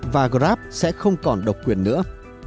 và grab sẽ không còn độc quyền nữa